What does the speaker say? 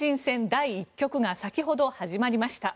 第１局が先ほど始まりました。